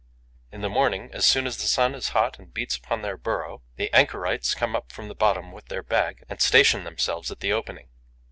In the morning, as soon as the sun is hot and beats upon their burrow, the anchorites come up from the bottom with their bag and station themselves at the opening.